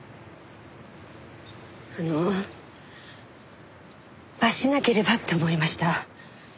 あの罰しなければって思いました。